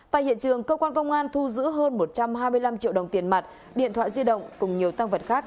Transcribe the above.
tại hiện trường cơ quan công an thu giữ hơn một trăm hai mươi năm triệu đồng tiền mặt điện thoại di động cùng nhiều tăng vật khác